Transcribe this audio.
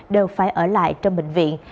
đều phải ở lại trong bệnh viện